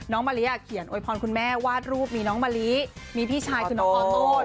มะลิเขียนโวยพรคุณแม่วาดรูปมีน้องมะลิมีพี่ชายคือน้องออโต้